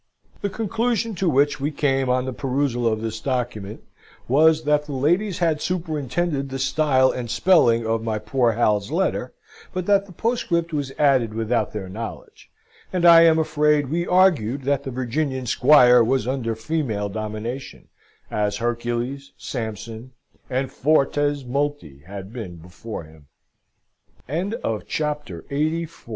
The conclusion to which we came on the perusal of this document was, that the ladies had superintended the style and spelling of my poor Hal's letter, but that the postscript was added without their knowledge. And I am afraid we argued that the Virginian Squire was under female domination as Hercules, Samson, and fortes multi had been before him. CHAPTER LXXXV. Inveni Portum When my mother heard of my acceptance of